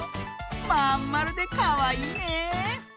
まんまるでかわいいね！